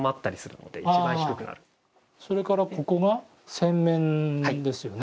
それからここが洗面ですよね。